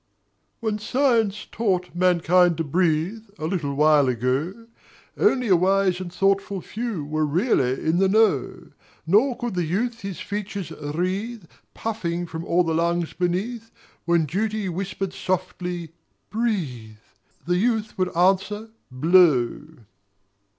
_ When Science taught mankind to breathe A little while ago, Only a wise and thoughtful few Were really in the know: Nor could the Youth his features wreathe, Puffing from all the lungs beneath: When Duty whispered softly "Breathe!" The Youth would answer "Blow!"